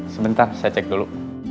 sebentar saya cek dulu